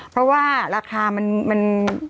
เพราะว่าราคามัน